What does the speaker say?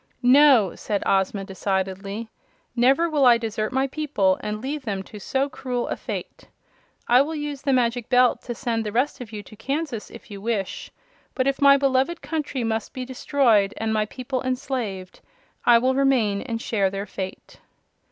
"No!" said Ozma, decidedly. "Never will I desert my people and leave them to so cruel a fate. I will use the Magic Belt to send the rest of you to Kansas, if you wish, but if my beloved country must be destroyed and my people enslaved I will remain and share their fate."